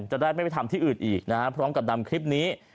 จะได้ไม่ไปทำที่อื่นอีกนะฮะพร้อมกับนำคลิปนี้